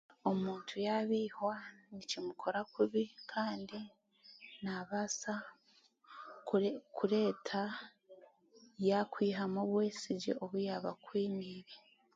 Omuntu yabaihwa nikimukora kubi kandi naabaasa kureeta yaakwihamu obwesigye obu yaaba akwiniire